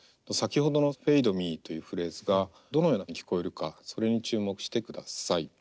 先ほどのｆａｄｅｍｅというフレーズがどのように聞こえるかそれに注目してください。